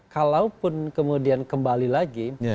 kalaupun kemudian kembali lagi